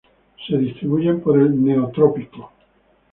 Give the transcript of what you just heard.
Se distribuyen por el Neotrópico.